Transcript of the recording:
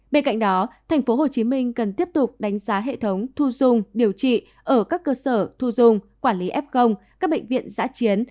bên cạnh đó tp hcm cần tiếp tục đánh giá hệ thống thu dung điều trị ở các cơ sở thu dung quản lý f các bệnh viện giã chiến